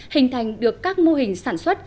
hình thành được các mô hình sản xuất